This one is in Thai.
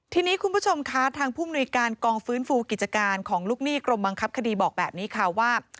ทีนี้คุณผู้ชมคะทางผู้มนุยการกองฟื้นฟูกิจการของลูกหนี้กรมบังคับคดีบอกแบบนี้ค่ะว่า